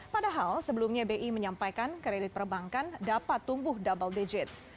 padahal sebelumnya bi menyampaikan kredit perbankan dapat tumbuh double digit